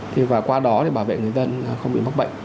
thế và qua đó bảo vệ người dân không bị mắc bệnh